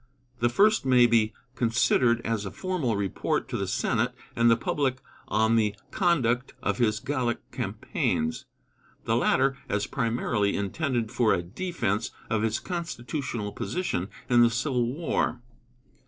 The first may be considered as a formal report to the Senate and the public on the conduct of his Gallic campaigns; the latter, as primarily intended for a defense of his constitutional position in the Civil War.